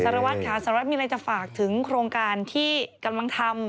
สารวัตรค่ะสารวัตรมีอะไรจะฝากถึงโครงการที่กำลังทำ